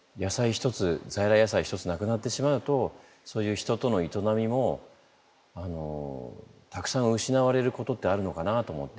在来野菜一つなくなってしまうとそういう人との営みもたくさん失われることってあるのかなと思って。